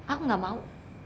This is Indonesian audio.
aku gak mau